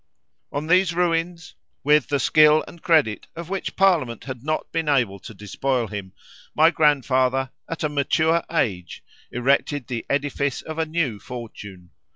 On these ruins, with the skill and credit of which parliament had not been able to despoil him, my grandfather, at a mature age, erected the edifice of a new fortune.